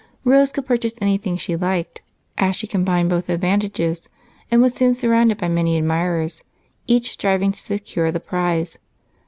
Rose could purchase anything she liked, as she combined both advantages, and was soon surrounded by many admirers, each striving to secure the prize.